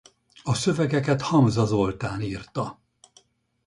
A szövegeket Hamza Zoltán írta.